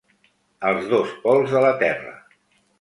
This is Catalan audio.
Els dos pols de la Terra.